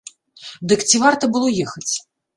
Дык ці варта было ехаць?